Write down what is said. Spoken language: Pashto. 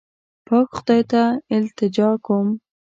پاک خدای ته التجا کوم.